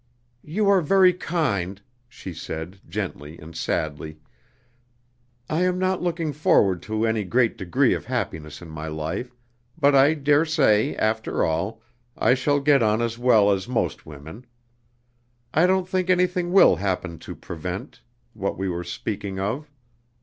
"You are very kind," she said, gently and sadly. "I am not looking forward to any great degree of happiness in my life, but I daresay, after all, I shall get on as well as most women. I don't think anything will happen to prevent what we were speaking of."